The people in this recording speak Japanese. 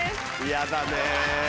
嫌だね。